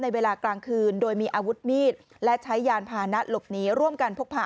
เวลากลางคืนโดยมีอาวุธมีดและใช้ยานพานะหลบหนีร่วมกันพกผ่า